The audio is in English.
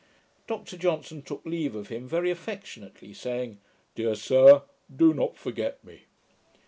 Dr Johnson took leave of him very affectionately, saying, 'Dear sir, do not forget me!'